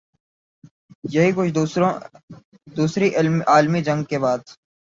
یہی کچھ دوسری عالمی جنگ کے بعد